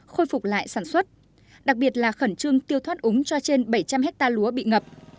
khôi phục lại sản xuất đặc biệt là khẩn trương tiêu thoát úng cho trên bảy trăm linh hectare lúa bị ngập